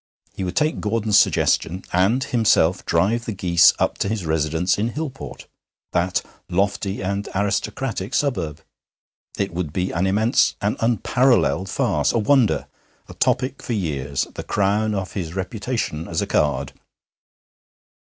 He would take Gordon's suggestion, and himself drive the geese up to his residence in Hillport, that lofty and aristocratic suburb. It would be an immense, an unparalleled farce; a wonder, a topic for years, the crown of his reputation as a card.